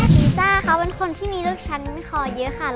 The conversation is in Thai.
ซีซ่าคะเป็นคนที่มีลูกชั้นคอเยอะค่ะ